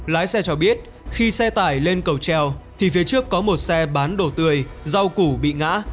lái xe cho biết khi xe tải lên cầu treo thì phía trước có một xe bán đồ tươi rau củ bị ngã